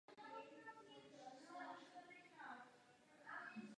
Domnívám se, že nyní potřebujeme vidět konkrétní činy.